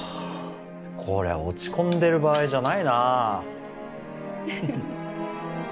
これは落ち込んでる場合じゃないな